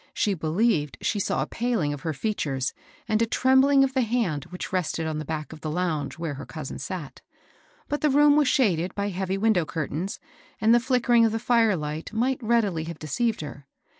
She believed she saw a paling of her features, and a trem bling of the hand which rested on the back of the lounge where her cousin sat; but the room was shaded by heavy window curtains, and the flickering of the fire light might readily have deceived her.